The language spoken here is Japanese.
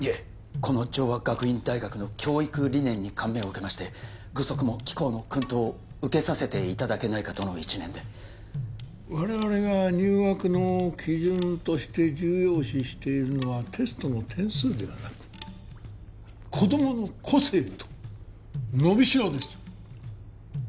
この城和学院大学の教育理念に感銘を受けまして愚息も貴校の薫陶を受けさせていただけないかとの一念で我々が入学の基準として重要視しているのはテストの点数ではなく子供の個性と伸びしろです